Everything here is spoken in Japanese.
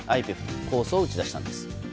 ＩＰＥＦ構想を打ち出したんです。